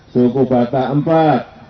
suku batak empat